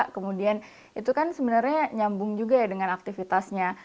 kemudian itu kan sebenarnya nyambung juga ya dengan aktivitasnya